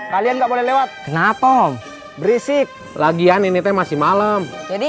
kalian enggak boleh lewat kenapa om berisik lagian ini masih malam jadi